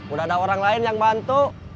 udah ada orang lain yang bantu